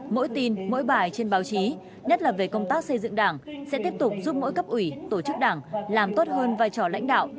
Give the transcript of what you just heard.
mỗi tin mỗi bài trên báo chí nhất là về công tác xây dựng đảng sẽ tiếp tục giúp mỗi cấp ủy tổ chức đảng làm tốt hơn vai trò lãnh đạo